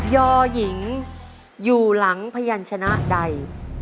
อหญิงอยู่หลังพยันชนะใด